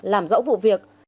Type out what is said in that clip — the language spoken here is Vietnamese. làm rõ vụ việc